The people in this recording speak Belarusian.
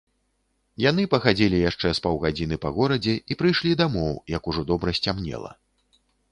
Яны пахадзілі яшчэ з паўгадзіны па горадзе і прыйшлі дамоў, як ужо добра сцямнела.